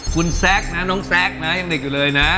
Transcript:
คุณแซคนะน้องแซคนะยังเด็กอยู่เลยนะ